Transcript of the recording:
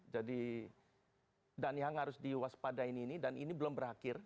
jadi dan yang harus diwaspadain ini dan ini belum berakhir